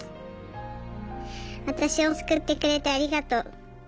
私を救ってくれてありがとう。